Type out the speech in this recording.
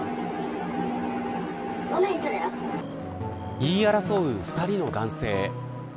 言い争う２人の男性。